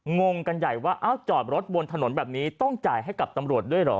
งงกันใหญ่ว่าจอดรถบนถนนแบบนี้ต้องจ่ายให้กับตำรวจด้วยเหรอ